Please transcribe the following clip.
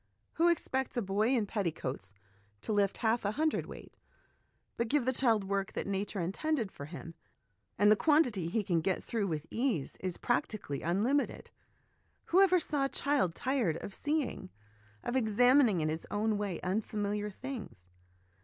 Who expects a boy in petticoats to lift half a hundredweight ? But give the child work that Nature intended for him, and he quantity he can get through with ease is practi cally unlimited. Whoever saw a child tired of seeing, of examining in his own way, unfamiliar things